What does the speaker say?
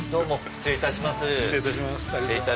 失礼いたします。